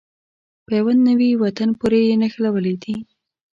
په يوه نوي وطن پورې یې نښلولې دي.